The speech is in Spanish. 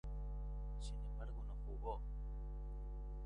Sin embargo no jugó.